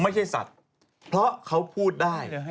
ไม่ใช่สัตว์เพราะเขาพูดได้